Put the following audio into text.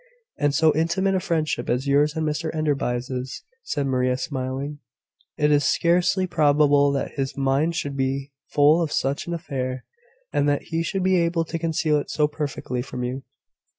"And so intimate a friendship as yours and Mr Enderby's is," said Maria, smiling, "it is scarcely probable that his mind should be full of such an affair, and that he should be able to conceal it so perfectly from you."